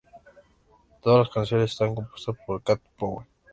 Todas las canciones están compuestas por Cat Power.